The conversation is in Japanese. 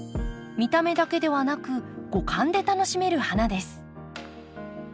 見た目だけではなく五感で楽しめる花です。